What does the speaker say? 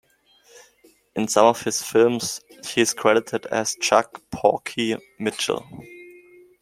In some of his films, he is credited as Chuck "Porky" Mitchell.